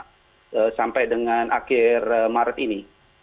kami juga tidak tahu apa yang akan terjadi di belanda sampai akhir maret ini